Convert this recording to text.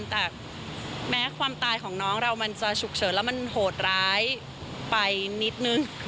แต่แม้ความตายของน้องเรามันจะฉุกเฉินแล้วมันโหดร้ายไปนิดนึง